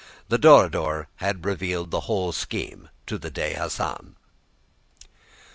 The Dorador had revealed the whole scheme to the Dey Hassan.